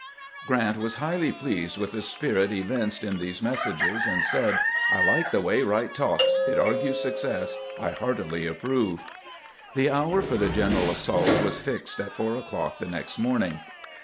'" Grant was highly pleased with the spirit evinced in these messages, and said :" I like the way Wright talks ; it argues success. I heartily approve." The hour for the general assault was fixed at four o'clock the next morning.